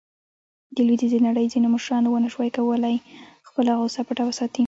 د لویدیځې نړۍ ځینو مشرانو ونه شو کولاې خپله غوصه پټه وساتي.